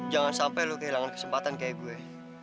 jangan sampai lo kehilangan kesempatan kayak gue